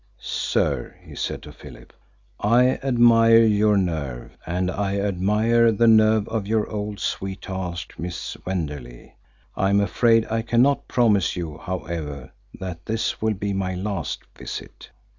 "Sir," he said to Philip, "I admire your nerve, and I admire the nerve of your old sweetheart, Miss Wenderley. I am afraid I cannot promise you, however, that this will be my last visit."